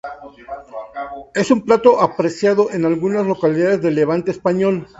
Es un plato apreciado en algunas localidades del levante español.